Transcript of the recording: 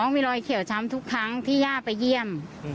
มีรอยเขียวช้ำทุกครั้งที่ย่าไปเยี่ยม